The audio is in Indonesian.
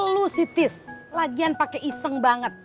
lo si tis lagian pake iseng banget